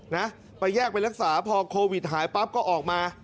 นะไปแยกไปรักษาพอโควิดหายปั๊บก็ออกมา